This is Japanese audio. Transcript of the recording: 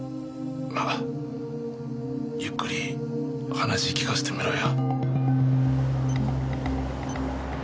まあゆっくり話聞かせてみろや。